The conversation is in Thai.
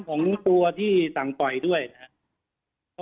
คำสั่งสารของตัวที่สั่งปล่อยด้วยนะครับ